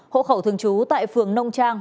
hộ khẩu thường trú tại phường nông trang